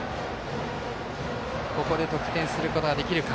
ここで得点することができるか。